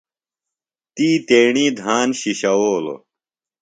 تی تیݨی دھان شِشوؤلوۡ۔